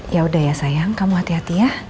yaudah ya sayang kamu hati hati ya